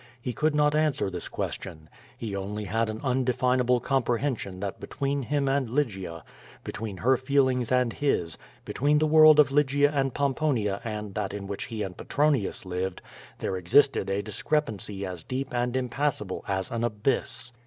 He could not answer this question. He only had an undefinable comprehension that between him and Lygia, between her feelings and his, between the world of Lygia and Pomponia and that in which he and Petronius lived, there existed a discrepancy as deep and impassable as an abyss.